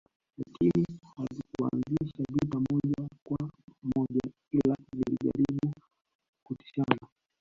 Lakini hazikuanzisha vita moja kwa moja ila zilijaribu kutishana